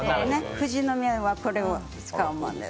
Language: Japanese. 富士宮はこれを使います。